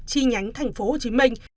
chi nhánh thành phố hồ chí minh